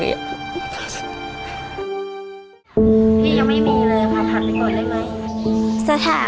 พี่ยังไม่มีเลยผ่าผ่านไปก่อนได้ไหม